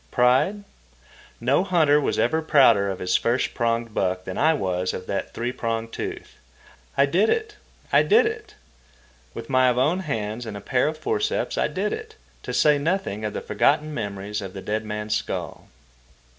Pride? No hunter was ever prouder of his first pronged buck than I was of that three pronged tooth. I did it! I did it! With my own hands and a pair of forceps I did it, to say nothing of the forgotten memories of the dead man's skull.